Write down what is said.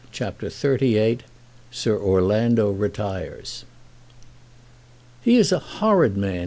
CHAPTER XXXVIII Sir Orlando Retires "He is a horrid man.